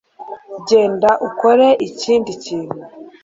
genda ukore ikindi kintu